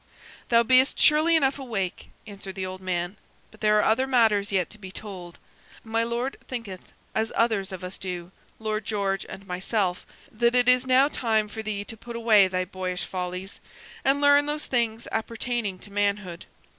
"Thou be'st surely enough awake," answered the old man; "but there are other matters yet to be told. My Lord thinketh, as others of us do Lord George and myself that it is now time for thee to put away thy boyish follies, and learn those things appertaining to manhood.